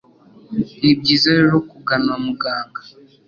ni byiza rero kugana muganga